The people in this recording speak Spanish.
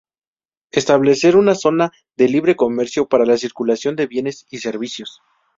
Establecer una Zona de Libre Comercio para la circulación de bienes y servicios.